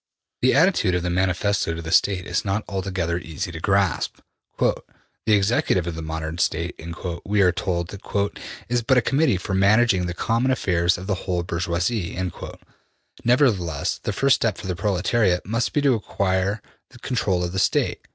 '' The attitude of the Manifesto to the State is not altogether easy to grasp. ``The executive of the modern State,'' we are told, ``is but a Committee for managing the common affairs of the whole bourgeoisie.'' Nevertheless, the first step for the proletariat must be to acquire control of the State.